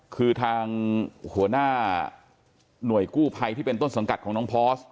คือทางหัวหน้าหน่วยกู้ภัยที่เป็นต้นสังกัดของน้องพอร์ส